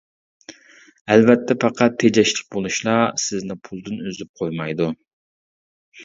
ئەلۋەتتە، پەقەت تېجەشلىك بولۇشلا سىزنى پۇلدىن ئۈزۈپ قويمايدۇ.